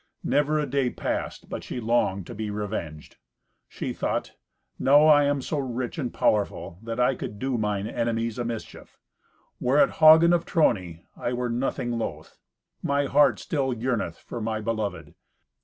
Never a day passed but she longed to be revenged. She thought, "Now I am so rich and powerful that I could do mine enemies a mischief. Were it Hagen of Trony, I were nothing loth. My heart still yearneth for my beloved.